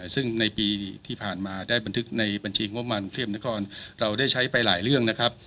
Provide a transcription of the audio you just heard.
ซึ่งในปีที่ผ่านมาได้บันทึกในบัญชีงบประมาณกรุงเทพนครเราได้ใช้ไปหลายเรื่องนะครับ